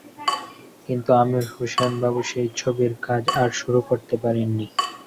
কিন্তু আমির হোসেন বাবু সেই ছবির কাজ আর শুরু করতে পারেননি।